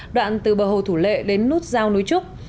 đoạn từ bờ hồ thủ lệ đến nút giao núi trúc